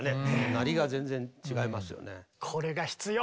鳴りが全然違いますよね。